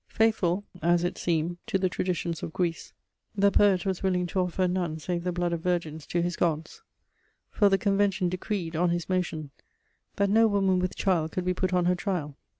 Faithful, as it seemed, to the traditions of Greece, the poet was willing to offer none save the blood of virgins to his gods: for the Convention decreed, on his motion, that no woman with child could be put on her trial.